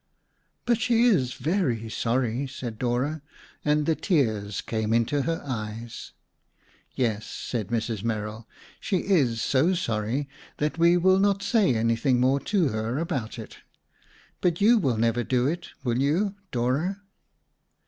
"But she is very sorry," said Dora, and the tears came into her eyes. "Yes," said Mrs. Merrill. "She is so sorry that we will not say anything more to her about it. But you will never do it, will you, Dora?"